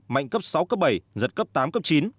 mạnh cấp sáu cấp bảy giật cấp tám cấp chín